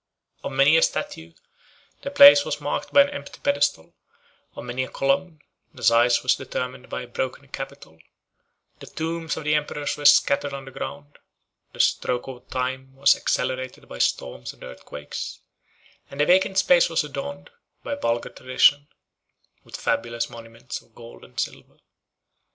Of many a statue, the place was marked by an empty pedestal; of many a column, the size was determined by a broken capital; the tombs of the emperors were scattered on the ground; the stroke of time was accelerated by storms and earthquakes; and the vacant space was adorned, by vulgar tradition, with fabulous monuments of gold and silver.